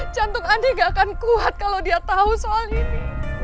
jantung andi gak akan kuat kalau dia tahu soal ini